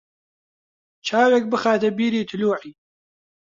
چاوێک بخاتە بیری تلووعێ